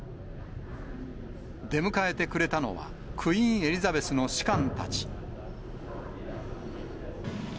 出迎えてくれたのは、クイーン・エリザベスの士官たち。